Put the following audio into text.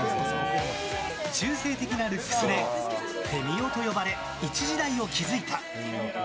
中性的なルックスでフェミ男と呼ばれ一時代を築いた。